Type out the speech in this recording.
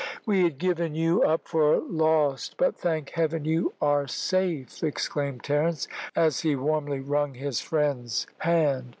"We had given you up for lost, but, thank Heaven, you are safe!" exclaimed Terence, as he warmly wrung his friend's hand.